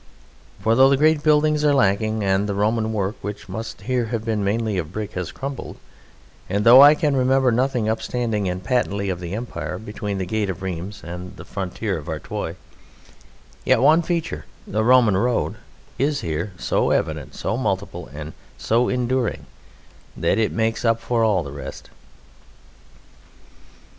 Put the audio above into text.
For though the great buildings are lacking, and the Roman work, which must here have been mainly of brick, has crumbled, and though I can remember nothing upstanding and patently of the Empire between the gate of Rheims and the frontier of Artois, yet one feature the Roman road is here so evident, so multiple, and so enduring that it makes up for all the rest.